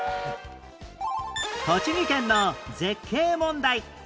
栃木県の絶景問題